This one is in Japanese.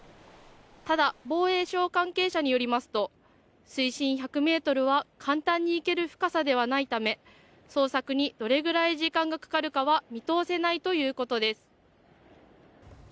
ただ、防衛省関係者によりますと水深１００ｍは簡単に行ける深さではないため捜索にどれぐらい時間がかかるかは見通せないということです。